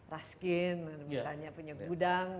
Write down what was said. mungkin misalnya punya gudang